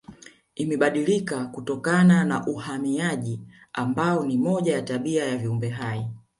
Imebadilika kutokana na uhamaji ambao ni moja ya tabia ya viumbe hai